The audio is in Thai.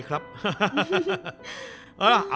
คุณผ่านไม่ได้เชิญคุณไปยืนข้างพี่ปาก